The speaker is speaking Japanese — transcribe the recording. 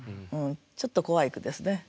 ちょっと怖い句ですね。